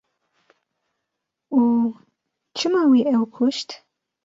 Û çima wî ew kuşt?